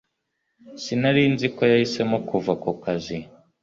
sinari nzi ko yahisemo kuva ku kazi